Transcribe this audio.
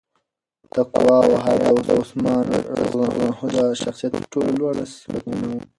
تقوا او حیا د عثمان رض د شخصیت تر ټولو لوړ صفتونه وو.